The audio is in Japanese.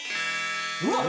うわっ！